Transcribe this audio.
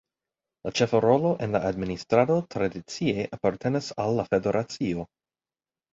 La ĉefa rolo en la administrado tradicie apartenas al la federacio.